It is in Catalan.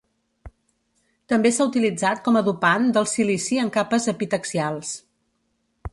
També s'ha utilitzat com a dopant del silici en capes epitaxials.